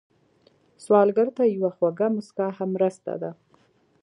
سوالګر ته یوه خوږه مسکا هم مرسته ده